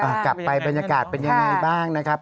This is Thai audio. กลับไปบรรยากาศเป็นยังไงบ้างนะครับ